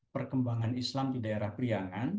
perkembangan islam di daerah periangan